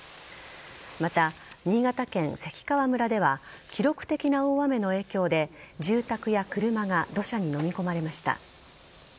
また、新潟県関川村では記録的な大雨の影響で住宅や車が土砂にのみ込まれました。